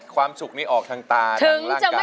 ความสุขนี้ออกทางตาทางร่างกาย